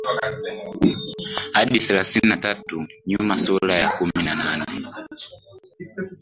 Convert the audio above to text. hadi thelathini na tatu nyuma sura ya kumi na nane